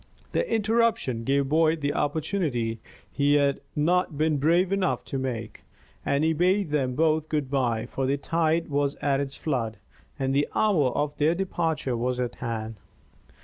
The interruption gave Boyd the opportunity he had not been brave enough to make, and he bade them both good bye, for the tide was at its flood, and the hour of their departure was at hand.